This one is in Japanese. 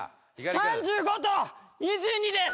３５と２２です。